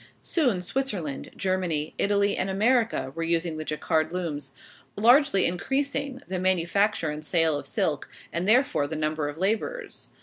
Soon Switzerland, Germany, Italy, and America were using the Jacquard looms, largely increasing the manufacture and sale of silk, and therefore the number of laborers.